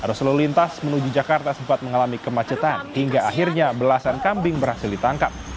arus lalu lintas menuju jakarta sempat mengalami kemacetan hingga akhirnya belasan kambing berhasil ditangkap